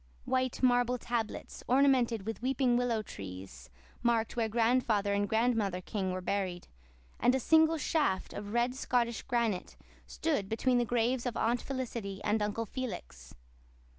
White marble tablets, ornamented with weeping willow trees, marked where Grandfather and Grandmother King were buried, and a single shaft of red Scotch granite stood between the graves of Aunt Felicity and Uncle Felix.